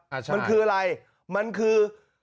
มันคืออะไรมันคือ